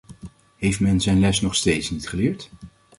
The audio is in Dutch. Heeft men zijn les nog steeds niet geleerd?